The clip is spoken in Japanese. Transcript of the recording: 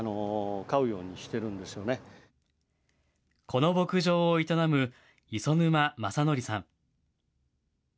この牧場を営む磯沼正徳さん。